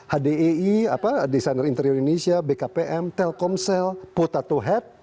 hdei desainer interior indonesia bkpm telkomsel potato head